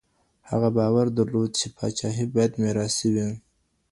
هغه باور درلود چي پاچاهي باید میراثي وي.